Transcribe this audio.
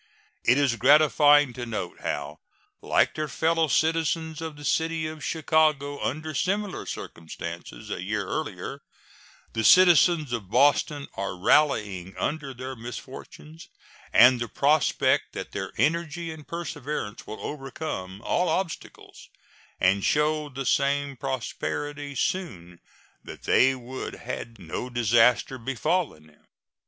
It is gratifying to note how, like their fellow citizens of the city of Chicago under similar circumstances a year earlier, the citizens of Boston are rallying under their misfortunes, and the prospect that their energy and perseverance will overcome all obstacles and show the same prosperity soon that they would had no disaster befallen them.